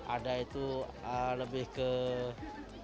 ada itu lebih ke